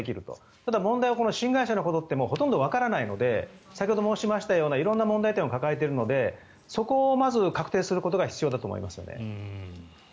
ただ、新会社のことがほとんどわからないので先ほど申しましたような色んな問題点を抱えているのでそこをまず確定することが必要だと思いますね。